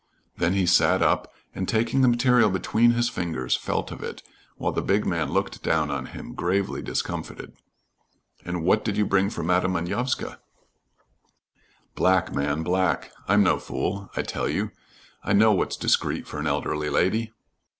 Then he sat up, and taking the material between his fingers felt of it, while the big man looked down on him, gravely discomfited. "And what did you bring for Madam Manovska?" "Black, man, black. I'm no fool, I tell you. I know what's discreet for an elderly lady."